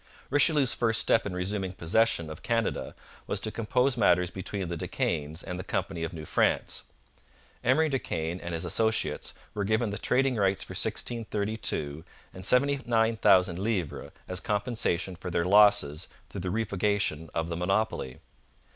Richelieu's first step in resuming possession of Canada was to compose matters between the De Caens and the Company of New France. Emery de Caen and his associates were given the trading rights for 1632 and 79,000 livres as compensation for their losses through the revocation of the monopoly.